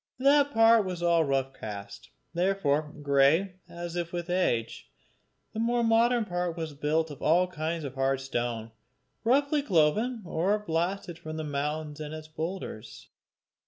That part was all rough cast, therefore grey, as if with age. The more modern part was built of all kinds of hard stone, roughly cloven or blasted from the mountain and its boulders.